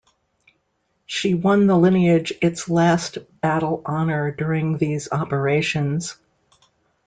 She won the lineage its last battle honour during these operations.